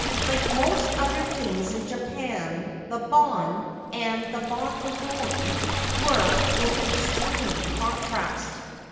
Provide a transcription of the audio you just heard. Like most other things in Japan, the ' Bon ' and the * Bon Odori ' were in extreme contrast.